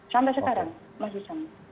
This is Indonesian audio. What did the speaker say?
sampai sekarang masih sama